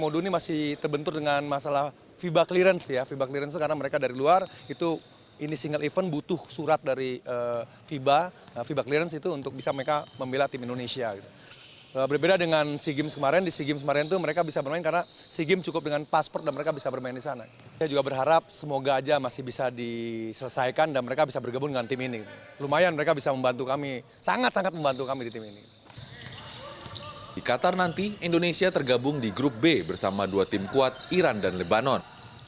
di qatar nanti indonesia tergabung di grup b bersama dua tim kuat iran dan lebanon